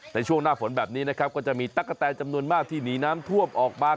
ในช่วงหน้าฝนแบบนี้นะครับก็จะมีตั๊กกะแตนจำนวนมากที่หนีน้ำท่วมออกมา